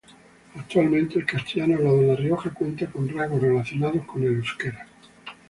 Actualmente el castellano hablado en La Rioja cuenta con rasgos relacionados con el euskera.